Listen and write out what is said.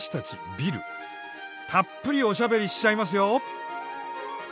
たっぷりおしゃべりしちゃいますよ！